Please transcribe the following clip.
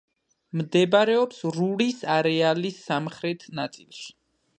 მდებარეობს რურის არეალის სამხრეთ ნაწილში.